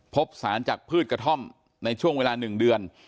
พบสารจากพืชกระท่อมในช่วงเวลา๑เดือน